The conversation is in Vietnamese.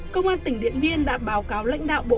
công an tỉnh điện biên đã báo cáo lãnh đạo bộ